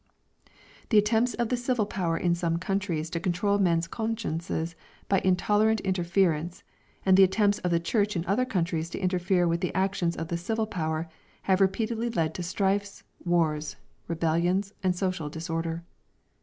The attempts of the civil power in some countries to control men's consciences by intolerant interference, and the attempts of the church in other countries to interfere with the action of the civil power, have repeatedly led to strifes, wars, rebellions, and social disorder.